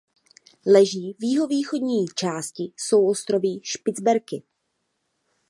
Leží v jihovýchodní části souostroví Špicberky.